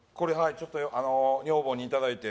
ちょっとあの女房にいただいて。